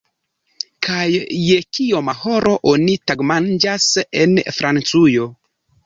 Kaj je kioma horo oni tagmanĝas en Francujo?